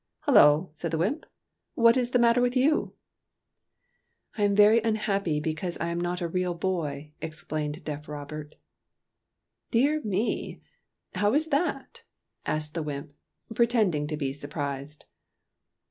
"Hullo!" said the wymp. "What is the matter with you ?"" I am very unhappy, because I am not a real boy," explained deaf Robert. I20 TEARS OF PRINCESS PRUNELLA "Dear me! How is that?" asked the wymp, pretending to be surprised.